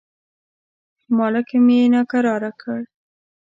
مالکم یې ناکراره کړ.